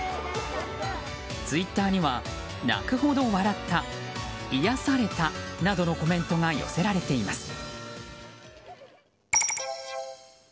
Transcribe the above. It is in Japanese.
ツイッターには、泣くほど笑った癒やされたなどのコメントが寄せられています。